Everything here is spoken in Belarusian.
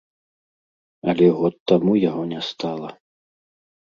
Але год таму яго не стала.